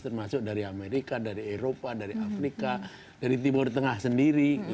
termasuk dari amerika dari eropa dari afrika dari timur tengah sendiri